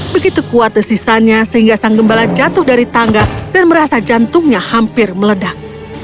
begitu kuat desisanya sehingga sang gembala jatuh dari tangga dan merasa jantungnya hampir meledak